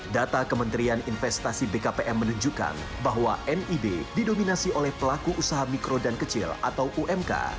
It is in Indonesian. data kementerian investasi bkpm menunjukkan bahwa nib didominasi oleh pelaku usaha mikro dan kecil atau umk